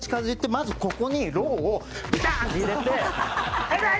まず、ここにローをビタン！って入れて痛い！